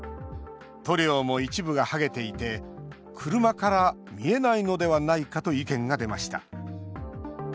塗料も一部が剥げていて車から見えないのではないかと意見が出ました。